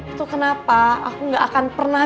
itu kenapa aku gak akan pernah